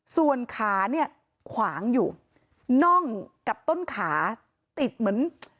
ส่วนขาเนี่ยขวางอยู่น่องกับต้นขาติดเหมือน